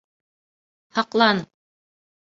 Һаҡлан!